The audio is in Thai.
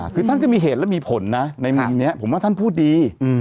คือท่านก็มีเหตุและมีผลนะในมุมนี้ผมว่าท่านพูดดี